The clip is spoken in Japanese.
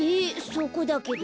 そこだけど。